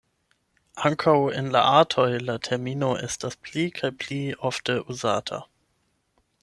Ankaŭ en la artoj, la termino estas pli kaj pli ofte uzata.